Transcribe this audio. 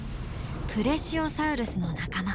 プレシオサウルスの仲間。